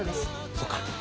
そうか。